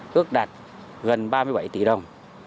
gần ba mươi bảy tỷ đồng